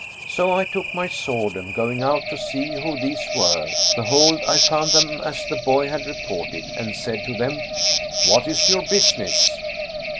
So I took my sword and going out to see who these were, behold, I found them as the boy had reported and said to them, 'What is your business?'